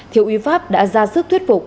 thiếu úy pháp đã ra sức thuyết phục